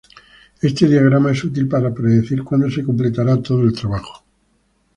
Este diagrama es útil para predecir cuándo se completará todo el trabajo.